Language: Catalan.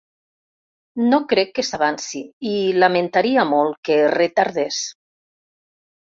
No crec que s’avanci i lamentaria molt que es retardés.